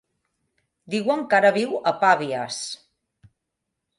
Diuen que ara viu a Pavies.